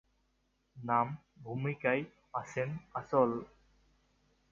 নাম ভুমিকায় আছেন আঁচল।